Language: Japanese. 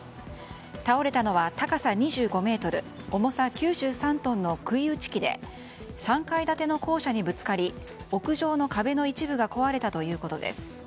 倒れたのは、高さ２５ｍ重さ９３トンの杭打ち機で３階建ての校舎にぶつかり屋上の壁の一部が壊れたということです。